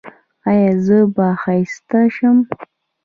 ایا زه به ښایسته شم؟